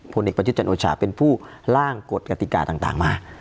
ผลเอกประยุทธ์จันทร์โอชาเป็นผู้ล่างกฎกติกาต่างมา